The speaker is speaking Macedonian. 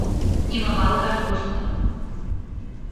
Има валкана уста.